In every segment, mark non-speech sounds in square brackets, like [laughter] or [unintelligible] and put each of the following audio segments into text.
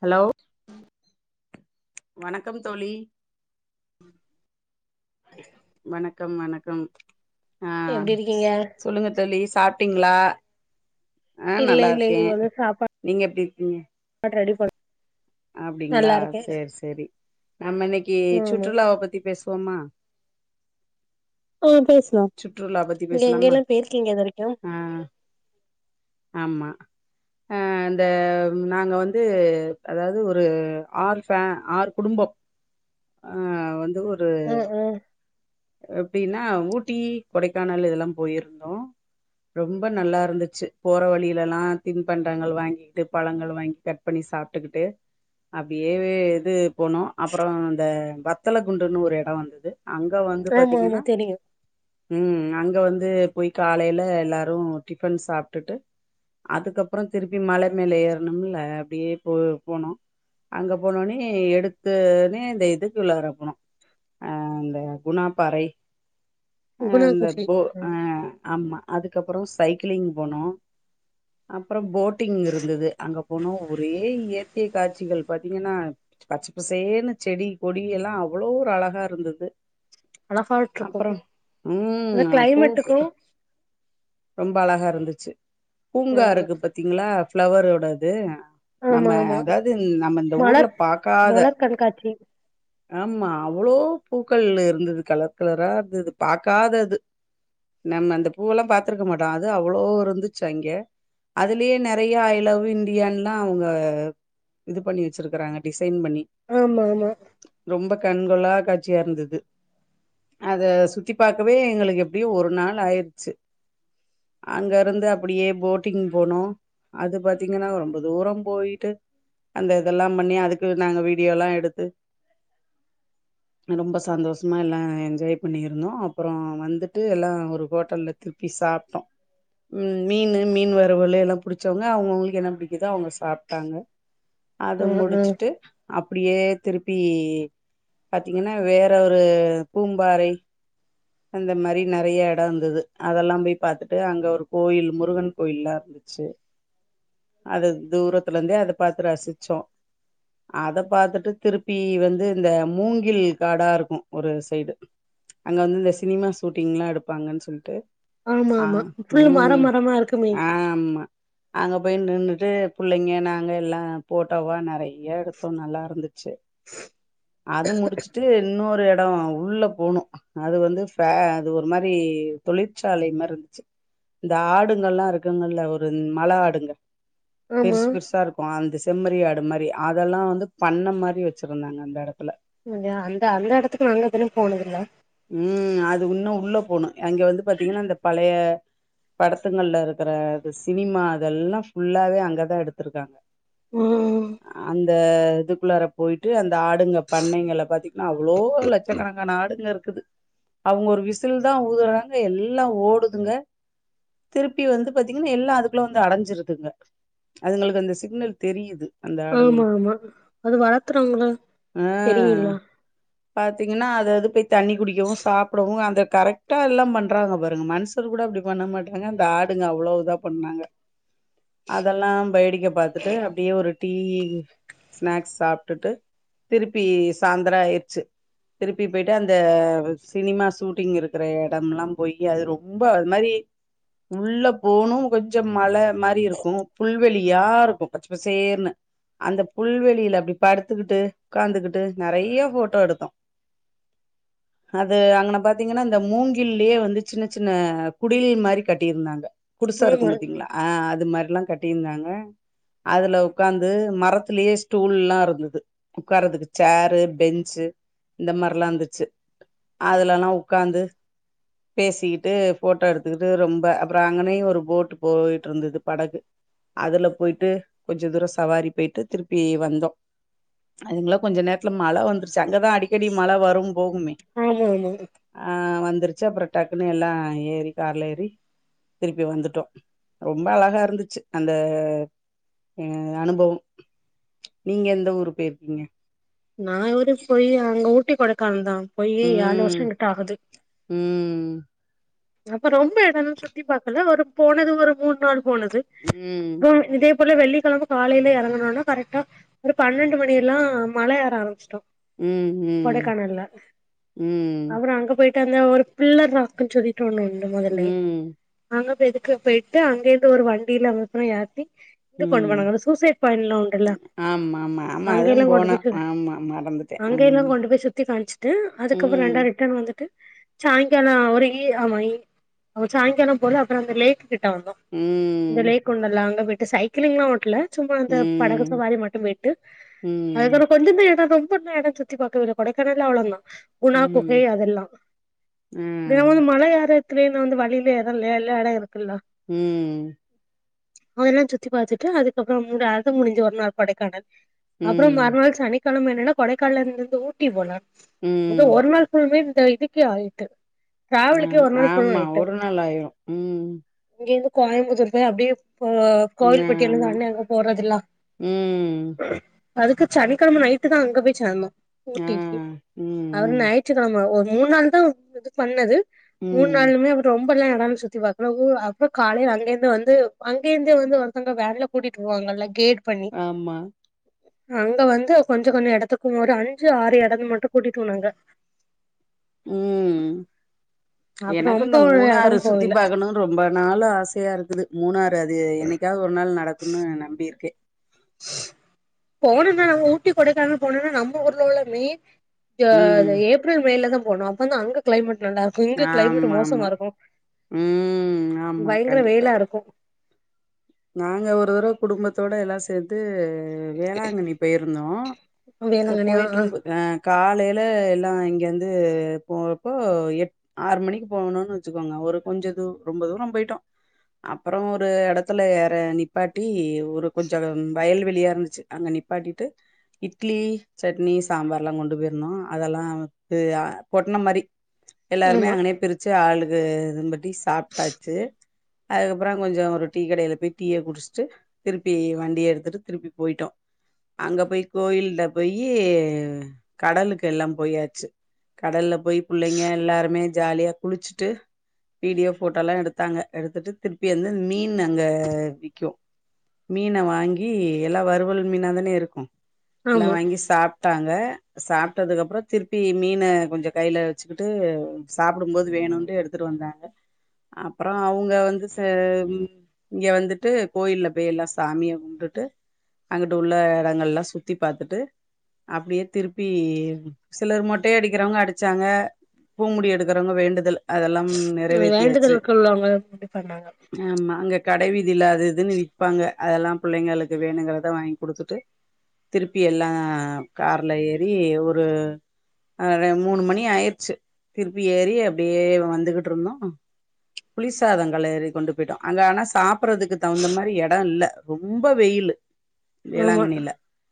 hello வணக்கம் தோழி வணக்கம் வணக்கம் வணக்கம் ஆஹ் எப்டி இருக்கீங்க சொல்லுங்க தோழி சாப்ப சாப்டீங்களா இல்ல இல்ல இனிமேல் தான் சாப்பா சாப்பிட்டு ரெடி பண்ண நல்லா அப்படிங்களா இருக்கே செரி செரி நம்ம இன்னைக்கு ஆமா சுற்றுலாவ பத்தி பேசுவோமா ஆ [unintelligible] சுற்றுலா பத்தி நீங்க பேசலாமா எங்கெல்லா போயிருக்கீங்க இது வரைக்கு ஹ ஆமா ஹ இந்த நாங்க வந்து அதாவது ஒரு ஆறு பேன் ஆறு குடும்பம் ஆஹ் வந்து ஒர் உஹம் உஹம் [unintelligible] எப்படின்னா ஊட்டி கொடைக்கானல் இதெல்லாம் போயிருந்தோம் ரொம்ப நல்லா இருந்துச்சு போற வழியில எல்லாம் தின் பண்டங்கள் வாங்கிக்கிட்டு பழங்கள் வாங்கி கட் பண்ணி சாப்பிட்டுக்கிட்டு அப்படியே இது போனோம் அப்புறம் இந்த வத்தல குண்டுன்னு ஒரு இடம் வந்துது அங்க வந்து ஆமா ஆமா பாத்தீங்கன்னா தெரியு ஹம் அங்க வந்து போய் காலையில எல்லாரும் டிபன் சாப்பிட்டுட்டு அதுக்கப்புறம் திருப்பி மலை மேல ஏறனும்ல அப்படியே போ போனோம் அங்க போனோனே எடுத்தோனே இந்த இதுக்குள்ளர போனோம் அஹ் அ இந்த குணாப்பாறை அஹ் குணா இந்த குகை போ ஆஹ் ஆமா அதுக்கு அது அப்புறம் சைக்கிளிங் போனோம் அப்புறம் போட் ட்டிங் இருந்தது அங்க போன ஒரே ஏய [unintelligible] கே காட்சிகள் பாத்தீங்கன்னா பச்சப்பசேன் செடி கொடி எல்லாம் அவ்வளோ ஒரு அழகா இருந்தது அழகாட்டுருக்கும் அப்புறோ இந்த ம் பூக்கு கிளைமேட்டுக்கும் ரொம்ப அழகா இருந்துச்சு பூங்கா ஆமா இருக்கு பாத்தீங்களா பிளவரோடது ஆமா நம்ம ஆமா அதாவது நம்ம இந்த ஊர்ல மலர் பாக்காத மலர் கண்காட்சி ஆமா அவ்வளோ பூக்கள் இருந்தது கலர் கலரா இருந்தது பார்கக்காதது நம்ம அந்த பூல்லாம் பா க்க மாட்ட அது அவ்ளோ இருந்துச்சு அங்க அதுலயே நிறைய ஐ லவ் இன்டியன் லா அவுங்க இது பண்ணி வச்சிருக்காங்க [unintelligible] சின் பண்ணி ஆமா ஆமா ரொம்ப கண்கொள்ளா காட்சியா இருந்தது அத சுத்தி பாக்கவே எங்களுக்கு எப்படியும் ஒரு நாள் ஆயிருச்சு அங்க இருந்து அப்படியே போட்டிங் போனோம் அது பாத்தீங்கன்னா ரொம்ப தூரம் போயிட்டு அந்த இதெல்லாம் பண்ணி அதுக்கு நாங்க வீடியோ எல்லாம் எடுத்து ரொம்ப சந்தோஷமா எல்லாம் என்ஜாய் பண்ணியிருந்தோம் அப்புறம் வந்துட்டு எல்லாம் ஒரு ஹோட்டல்ல திருப்பி சாப்பிட்டோம் உம் மீன்னு மீன் வருவலு எல்லாம் புடிச்சவங்க அவங்கவுங்களுக்கு என்ன பிடிக்குதோ அவுங்க சாப்ட்டாங்க அது ஆ ஆ முடிச்சுட்டு அப் அப்படியே திருப்பி பாத்தீங்கன்னா வேற ஒரு பூம்பாறை அந்த மாதிரி நிறைய இடம் இருந்தது அதெல்லாம் போய் பாத்துட்டு அங்க ஒரு கோயில் முருகன் கோயில் எல்லாம் இருந்துச்சு அது தூரத்துல இருந்தே அதை பாத்து ரசிச்சோம் அத பாத்துட்டு திருப்பி வந்து இந்த மூங்கில் காடா இருக்கும் ஒரு சைடு அங்க வந்து இந்த சினிமா ஷூட்டிங்லாம் எடுப்பாங்கு சொல்லிட்டு ஆமா ஆமா ஆஹ் ஃபுல்லு மர உம் மரமா இருக்குமே ஆமா அங்க போயின்னுட்டு புள்ளைங்க நாங்க எல்லாம் போட்டவா நிறைய எடுத்தோம் நல்லா இருந்துச்சு அது முடிச்சுட்டு இன்னொரு எடம் உள்ள போணும் அது வந்து அது ஒரு மாதிரி தொழிற்சாலை மாதிரி இருந்துச்சு இந்த ஆடுங்கல்லாம் இருக்குங்கல்ல ஒரு மழ ஆடுங்க ஆமா பெருசு பெருசா இருக்கும் அந்த செம்மறி ஆடு மாதிரி அதெல்லாம் வந்து பண்ண மாதிரி வச்சிருந்தாங்க அந்த இடத்துல அந்த அந்த இடத்துக்கு நாங்க எதுலும் போனதல்ல உம் அது இன்னும் உள்ள போணும் அங்க வந்து பாத்தீங்கன்னா இந்த பழைய படத்துங்கள்ல இருக்கற அ சினிமா அதல்லாம் ஃபுல்லாவே அங்கதான் எடுத்திருக்காங்க உம் அந்த இதுக்குள்ளார போயிட்டு அந் ஆடுங்க பண்ணங்கள பாத்தீங்கன்னா அவ்வளோ லட்சக்கணக்கான ஆடுங்க இருக் இருக்குது அவங்க ஒரு விசில் தான் ஊதுறாங்க எல்லாம் ஓடுதுங்க திருப்பி வந்து பாத்தீங்கன்னா எல்லாம அதுக்குள்ள வந்து அடஞ்சிருதுங்க அதுங்களுக்கு அந்த சிக்னல் தெரியுது அந்த ஆமா ஆடுங்களுக்கு ஆமா அது வளத்துறாங்கள ஆ தெரியுளா பாத்தீங்கன்னா அது அது போய் தண்ணி குடிகாவும் சாப்பிட ங்க அந்த கரெக்டா எல்லாம் பண்றாங்க பாருங்க மனுஷர் கூட அப்டி பண்ண மாட்டறாங்க அந்த ஆடுங்க அவ்ளோ இதா பண்ணாங்க அதெல்லாம் பேடிக்க பாத்தட்டு அப்டியே ஒரு டீ ஸ்நாக்ஸ் சாப்ட்டுட்டு திருப்பி சாயந்தரம் ஆயிடுச்சு திருப்பி போயி அந்த சினிமா ஷூட்டிங் இருக்கிற இடம் எல்லாம் போய் அது ரொம்ப அது மாரி உள்ள போனும் கொஞ்சம் மழ மாரி இருக்கும் புல்வெளியா இருக்கும் பச்சப்ப சேர்னு அந்த புல்வெளியில அப்டி படுத்துக்கிட்டு உக்காந்துகிட்டு நெறைய போட்டோ எடுத்தோம் அது அங்கன பாத்தீங்கன்னா இந்த மூங்கில்லயே வந்து சின்ன சின்ன குடில் மாரி கட்டியிருந்தாங்க குடிசா ஆமா இருக்கும் பாத்தீங்களா ஆஹ் அது மாரி கட்டிருந்தாங்க அதுல உக்காந்து மரத்திலயே ஸ்டூல்லாம் இருந்தது உக்காரதுக்கு சேரு பெஞ்சு இந்த மாரிலாம் இரு அதுலல்லாம் உக்காந்து பேசிக்கிட்டு போட்டோ எடுத்துக்கிட்டு ரொம்ப அப்பறம் அங்கனே ஒரு போட்டு் போயிட்டு இருந்தது படகு அதுல போயிட்டு கொஞ்ச தூரம் சவாரி போயிட்டு திருப்பி வந்தோம் அதுங்கலா கொஞ்ச நேரத்துல மழ வந்துருச்சி அங்கதான் அடிக்கடி மழ வரும் ஆமா ஆமா ஆஹ் வந்துருச்சி அப்பறம் டக்குன்னு எல்லாம் ஏறி கார்ல ஏறி திருப்பி வந்துட்டோம் ரொம்ப அழகா இருந்துச்சி அந்த அஹ் அனுபவம் நீங்க எந்த ஊரு போயிருக்கீங்க நா ஓரு போய் அங்க ஊட்டி கொடைக்கானல் தான் போய் ம் ஆலோசனை கிட்ட ஆகுது ம் அப்ப ரொம்ப இடம்ன்னு சுத்தி பாக்கல ஒரு போனது ஒரு மூணு நாள் போன இது ம் கும் இதே அப்பள்ள வெள்ளிக்கிழம காலைல இறங்கனும்னா கரெக்டா ஒரு பன்னெண்டு மணி எல்லாம் மல ஏற ஆரம்பிச்சிட்டோம் ம் ம் கொடைக்கானல ம் அப்ரோ அங்க போயிட்டு ந்த ஒரு பில்லர் ராக்குன் சொல்லி ண்ண உண்டு முதல்ல ம் அங்க எதுக்கு போயிட்டு அங்க இருந்து ஒரு வண்டியில அப்றம் யாத்தி இங்க கொண்டு ம் போனாங்க சூசைட் பாயிண்ட் உண்டுல ஆமா ஆமா ஆமா அங்க அதுவு எல்லாம் கொண்டு போனோ போய் ஆமா மறந்துட்டே ம் அங்கல்லாம் கொண்டு போய் சுத்தி காணச்சுட்டு அதுக்கப்பறம் ம் ரெண்ட ரிட்டன் வந்துட்டு சாயங்கல அவர ஆமா அவ சாயங்காலம் போல அப்ப றம் அந்த லேக் கிட் ம் இந்தலயே கொண்டு வல்லாம் அங்க விட்டு சைக்கிங்லாம் ஓட்ல சும்மா அந்த படகு ம் சவாரி மட்டும் போ ய்ட்டு ம் அதுக்கற கொல்லிருந்த ஏனதும் ண்ண சுத்திப்பக்க கொடைக்கானல்லாம் அவளந்தா குணா குகை ம் அதெல்லாம் ஆ தேவொன் மழயார திடீர்னு வந்து வழியில எதாவது லே இருக்குல உம் அதல்லா சுத்தி பாத்துட்டு அதுக்கப்புற அது முடிஞ்சு வரனு கொடைக்கானல் அப்பறோ ம் மறுநா சனி கெழம என்னனா கொடைகானலந்துது ஊட்டி போலா ந்த ம் ஒரு நாள் [inaudible] இதுக்கே ஆய்ட்டு உம் ஆமா ஒரு நாள் ஆயிரும் உம் கோயமுத்தூர் போய் அப்டியே இப்ப கோவில்பட்டிலுந்து ஆமா அண்ண அங்கபோறதுல்லா ம் அதுக்கு சனிக்கிழம நைட்டு தா அங்க போய் சேந்தோ ஆ ஊட்டி ம் அவரு ம் ஞாயிற்றுகெழமா மூன்நாள்தா பண்ணது மூணு ம் நாளுமே ரொம் சுத்தி பாக்கல ஊ அப்ப காலய்ல அங்கேந்து வந்து அங்கேந்தே வந்து ஒருத்தங்க வேன்ல கூட்டிட்டுவோங்கல கேட் ஆமா அங்க வந்து கொஞ்ச கொஞ்ச எடத்துக் ஒரு அஞ்சு ஆறு எடம் மட்டு கூட்டிட்டுபோனாங்க உம் அப்றோ ரொம்ப எனக்குந்தா மூணாறு எடம் சுத்தி போகல பாக்கணு ரொம்ப நாள ஆசயா இருக்குது மூணாற் அது என்னிக்கா ஒர் நாள் நடக்கும்னு நம்பியிருக்கே போனும்னா நம் ஊட்டி கொடைகானல் போனுனா நம்ப ஊர்லள்ளமே ம் யேரு ஏப்ரல் மேல தா போனு அப்பந்தா அங்க கிளைமட் நல்லாக்கு இங்க கிளைமேட் ஆமா மோசமா ஆமா இருக்கு ம் ஆமா பயங்கர கண்டிப்பா வேய்லாருக்கு நாங்க ஒருரொவ குடும்பத்தோட எல்லா சேத்து வேளாங்கண்ணி போய்ருந்தோ வேளாங்கண்ணி ஆ போய்ட்டு கால லா எல்லா இங்கந்து போப்போ எட் ஆறு மணிக்கு போகணும்னு வச்சுக்கோங்க ஒரு கொஞ்ச தூ ரொம்ப தூர போயிட்டோ அப்பற ஒரு எடத் த்துல எற நிப்பாட்டி ஒரு கொஞ்ச வயல்வெளியா இருந்ச்சு அங்க நிப்பாட்டிட்டு இட்லி சட்னி சாம்பார்லா கொண்டு போய்ருந்தோ அதல்லா பொட்டன மாரி எல்லாருமே ஆமா அங்கனேயே பிரிச்சு ஆளு [inaudible] சாப்டாச்சு அதுக்கப்பற கொஞ்ச ஒரு டீ கடயில போய் டீய குடிச்சுட்டு திருப்பி வண்டிய எடுத்துட்டு திருப்பி போய்ட்டோ அங்க போயி கோயில்ல போயி கடலுக்கு எல்லா போயாச்சு கடல்ல போய் புள்ளைங்க எல்லாருமே ஜாலியா குளிச்சுட்டு வீடியோ போட்டா எல்லா எடுத்தாங்க எடுத்துட்டு திருப்பி வந்து மீன் மீன் அங்க விக்கு மீன வாங்கி எல்லா வருவல் மீனா தானே இருக்கு எல்லா ஆமா வாங்கி சாப்ப விட்டாங்க சாப்பிட்டதுக்கு அப்புற திருப்பி மீனு கொஞ்ச கையில வச்சுக்கிட்டு சாப்பிடு போது வேணும்ட்டு எடுத்துட்டு வந்தாங்க அப்புற அவுங்க வந்து ச இங்க வந்துட்டு கோயில போய் எல்லா சாமியை கும்பிடுட்டு அங்குட்டு உள்ள இடங்கள் எல்லா சுத்தி பாத்துட்டு அப்புடியே திருப்பி சிலர் மொட்டைய அடிக்கிறவங்க அடிச்சாங்க பூமுடி எடுக்கிறவங்க வேண்டுதல வேண்டுதலுக்கு உள்ளவங்க எப்பிடி பண்ணாங்க கடைவி ழ இல்ல அது இதுன்னு விப்பாங்க அதெல்லா புள்ளைங்களுக்கு வேணுங்கிறத வாங்கி குடுத்துட்டு திருப்பி எல்லா கார்ல ஏறி ஒரு அஹ மூணு மணி ஆயிருச்சு திருப்பி ஏறி அப்புடியே வந்துகிட்டு இருந்தோ புளி சாதங்களறி கொண்டு போயிட்டோ அங்க ஆனா சாப்புறதுக்கு தகுந்த மாரி எட இல்ல ரொம்ப வெயிலு ஆமா வேளாங்கணில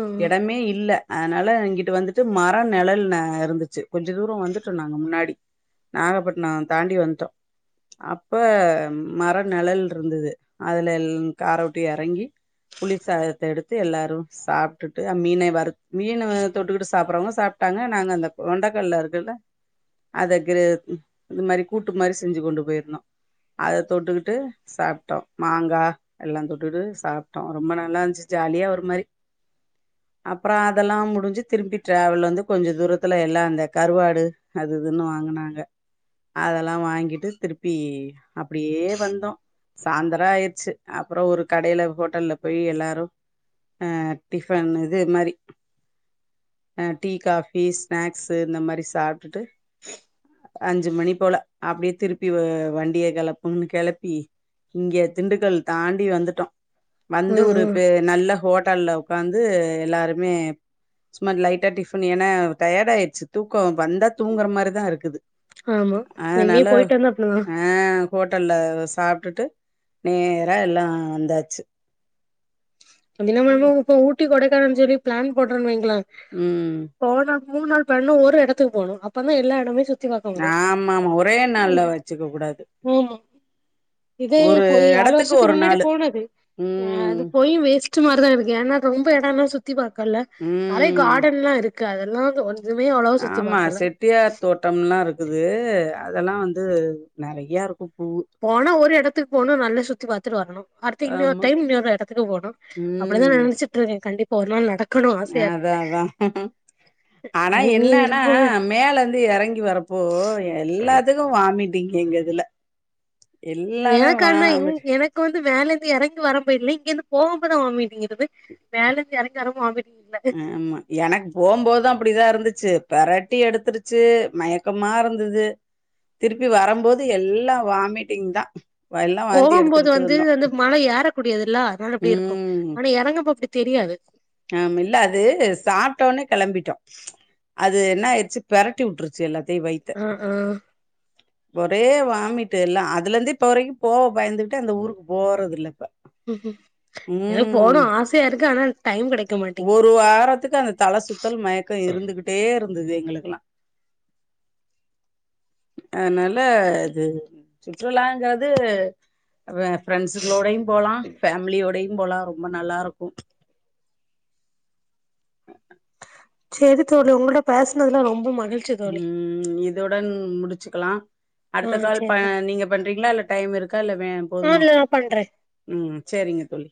ம் எடமே இல்ல அதனால இங்கிட்டு வந்துட்டு மர நிழல் இருந்துச்சு கொஞ்ச தூர வந்துட்டோ நாங்க முன்னாடி நாகப்பட்டின தாண்டி வந்துட்டோ அப்ப மர நிழல் இருந்தது அதுல காரவுட்டி இறங்கி புளி சாதத்த எடுத்து எல்லாரு சாப்பிட்டுட்டு அ மீன வறுத்த மீனு தொட்டுக்கிட்டு சாப்பிறவங்க சாப்ட்டாங்க நாங்க அந்த கொண்டக்கல இருக்குல அத கி இது மாரி கூட்டு மாரி செஞ்சு கொண்டு போயிருந்தோ அத தொட்டுட்டு சாப்டோ மாங்கா எல்லா தொட்டுட்டு சாப்டோ ரொம்ப நல்லா இருந்துச்சு ஜாலியா ஒரு மாரி அப்பற அதெல்லா முடிஞ்சு திரும்பி ட்ராவல் வந்து கொஞ்ச தூரத்துல எல்லா அந்த கருவாடு அது இதுன்னு வாங்கினாங்க அதெல்லா வாங்கிட்டு திருப்பி அப்பிடியே வந்தோ சாந்தர ஆயிடுச்சு அப்புற ஒரு கடையில ஹோட்டல்ல போய் எல்லாரு அஹ டிஃபன் இது மாரி அஹ டீ காபி ஸ்நாக்ஸ் இந்த மாரி சாப்ட்டுட்டு [inaudible] அஞ்சு மணி போல அப்பிடியே திருப்பி வண்டியை கெளப்பொனு கெளப்பி இங்க திண்டுக்கல் தாண்டி வந்துட்டோ வந்து ம் ஒரு ம் பே நல்ல ஹோட்டல்ல உட்காந்து எல்லாருமே சுமா லைட்டா டிபன் ஏன்னா டயடா ஆயிடுச்சு தூக்கோ வந்தா தூங்குற மாரி தா இருக்குது ஆமா எங்கயு அதனால போயிட்டு வந்தா அப்டிதா ஆஹ கோட் ட்டல்ல சாப் வுட்டுட்டு நேரா எல்லா வந்தாச்சு ஊட்டி கொடை கார சொரி பிளான் போடுறே வங்கிள ம் போன மூணு நாள் பண்ணு ஒரு எடத்துக்குபோணு அப்பதா எல்லா இடமே சு ஆமா ஆமா ஒரே நால வச்சுக்க கூடாது ஆமா இதே ஒரு போய் ஏழு எடத்துக்கு வருஷத்துக்கு ஒரு முன்னாடி நாளு போனது அது ம் போய் வேஸ்ட்டு மாதி தான் இருக்கு ஏன்னா ரொம்ப னா சுத்தி பாத் இருக்கல்ல மழ ம் காடன் எல்லா இருக்கு க் அதெல்லா ஒ ஆமா செட்டியார் தோட்டம் எல்லா இருக்குது அதெல்லா வந்து இது நெறைய இருக்கு போனா ஒரு இடத்து போனும் நல்ல சுத்தி பாத்துட்டு வரணும் அடுத்து இன்னொரு ஆமா டைம் இன்னொரு இடத்து போனும் அப்படிதான் ம் நினைச்சிட்டு இருக்கேன் கண்டிப்பா போலும் நடக் அதான் அதான் [inaudible] ஆனா நீங்க எங்க என்னன்னா போவ மேல இருந்து இறங்கி வரப்போ எல்லாத்துக்கும் வாமிட் டிங்க எங்க இதுல எல்லாமே எனக்கு அண்ணா வாமிட் எனக்கு வந்து வேலந்து இறங்கி வர போயிடல இங்க இருந்து போக போதான் வாம்படிங்கிறது மேல இருந்து இறங்கி வரமா ஆ ஆமா எனக்கு போம்போதும் அப்படிதான் இருந்துச்சு ச்சு பெரட்டி எடுத்துருச்சு மயக்கமா இருந்தது திருப்பி வரும்போது எல்லாம் வாமிட்டிங் தான் எல்லாம் வாந்தி போகும்போது எடுத்துக்கிட்டு வந்து வந்தோம் அந்து மழை ஏரக்கூடியது இல்ல அதனால எப்படி இருக்கும் ஆனா இறங்கப்ப அப்படி தெரியாது ஆம் இல்ல அது சாப்பிட்டோன்னா கிளம்பிட்டோம் அது என்ன ஆயிடுச்சு பெரட்டி வுட்டுருச்சு எல்லாத் ஆஹ ஆஹ ஒரே வாமிட்டு எல்லாம் அதுல இருந்து இப்போ வரைக்கும் போக பயந்துகிட்டு அந்த ஊருக்கு போறது இல்ல இப்ப ம்ம் எனக்கு ம் போனும் ஆசையா இருக்கு ஆனா டைம் கெடைக்க மாட்டேங்கி ஒரு வாரத்துக்கு அந்த தல சுத்தல் மயக்கம் இருந்துகிட்டே இருந்தது எங்களுக்குல்லாம் அதனால இது சுற்றுலாங்கறது ஃப்ரெண்டஸ்களோடையும் போலாம்ஃபேமிலியோடயும் போலாம் ரொம்ப நல்லா இருக்கும் சரி தோழி உங்களோட பேசினதுல்ல ரொம்ப மகி உம் இதுடன் முடிச்சுக்கலாம் ஆ அடுத்த கால் சேரி தோழி நீங்க பண்றீங்களா இல்ல டைம் இருக்கா இல்ல ஆ போதுமா இல்ல நா பண்றே உம் சரிங்க தோழி